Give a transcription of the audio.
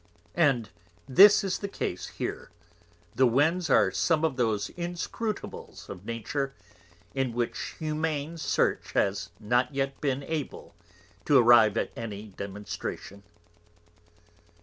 And this is the Case here; the Winds are some of those Inscrutables of Nature, in which humane Search has not yet been able to arrive at any Demonstration.